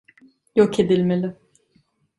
Yok edilmeli.